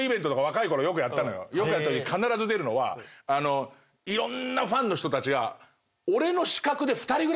よくやったとき必ず出るのはいろんなファンの人たちが。